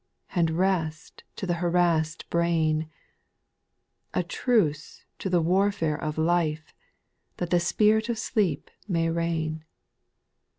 And rest to the harassed brain, A truce to the warfare of life, That the spirit of sleep may reign.